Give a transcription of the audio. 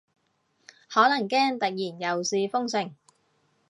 可能驚突然又試封城